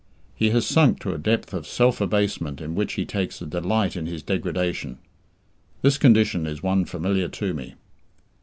He has sunk to a depth of self abasement in which he takes a delight in his degradation. This condition is one familiar to me.